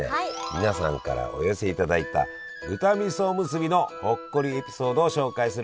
皆さんからお寄せいただいた豚味噌おむすびのほっこりエピソードを紹介するコーナーです！